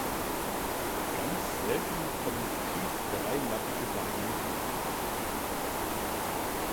Ganz selten kommen tief dreilappige Varianten vor.